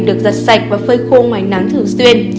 được giật sạch và phơi khô ngoài nắng thường xuyên